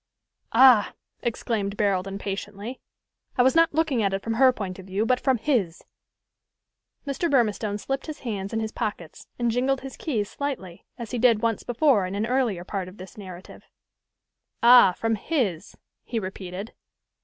"Ah!" exclaimed Barold impatiently: "I was not looking at it from her point of view, but from his." Mr. Burmistone slipped his hands in his pockets, and jingled his keys slightly, as he did once before in an earlier part of this narrative. "Ah! from his," he repeated.